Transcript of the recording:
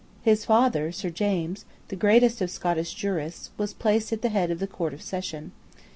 His father, Sir James, the greatest of Scottish jurists, was placed at the head of the Court of Session.